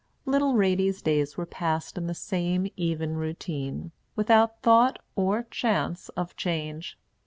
Little Ratie's days were passed in the same even routine, without thought or chance of change.